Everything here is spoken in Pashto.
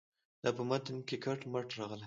دا په متن کې کټ مټ راغلې.